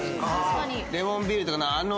レモンビールとかの。